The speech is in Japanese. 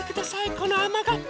このあまがっぱ。